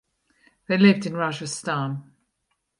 They lived in Rajasthan.